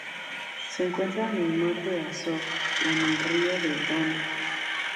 Se encuentra en el Mar de Azov y en el río Don.